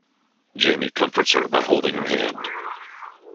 Jamie comforts her by holding her hand.